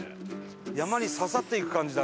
山に刺さっていく感じだなこれ。